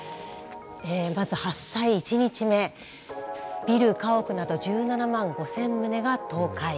まず発災１日目ビル・家屋など１７万５，０００棟が倒壊。